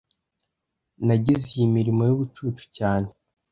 Nagize iyi mirimo yubucucu cyane